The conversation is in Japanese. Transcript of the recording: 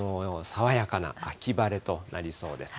爽やかな秋晴れとなりそうです。